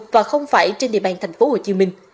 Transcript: và không phải trên địa bàn tp hcm